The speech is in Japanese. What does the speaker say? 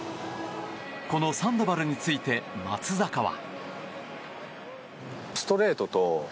このサンドバルについて松坂は。